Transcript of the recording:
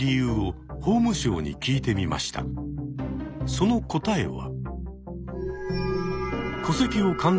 その答えは。